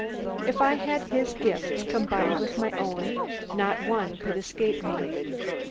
If I had his gifts combined with my own, not one could escape me.